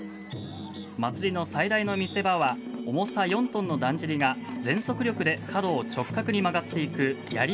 祭りの最大の見せ場は重さ４ｔのだんじりが全速力で角を直角に曲がっていくやり